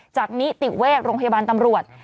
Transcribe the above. นิติเวชโรงพยาบาลตำรวจ